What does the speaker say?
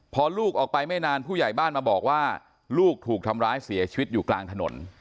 พอลูกออกไปไม่นานผู้ใหญ่บ้านมาบอกว่าลูกถูกทำร้ายเสียชีวิตอยู่กลางถนน